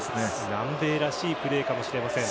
南米らしいプレーかもしれません。